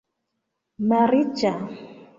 malriĉa